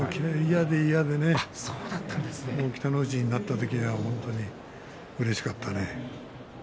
嫌で嫌でね、北の富士になった時はうれしかったね。